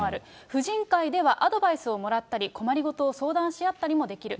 夫人会ではアドバイスをもらったり、困りごとを相談し合ったりもできる。